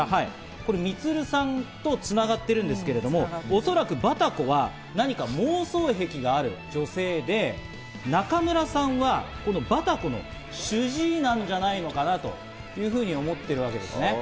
この充さんと繋がってるんですけど、おそらくバタコは妄想癖がある女性で、中村さんはこのバタコの主治医なんじゃないのかなというふうに思ってるわけです。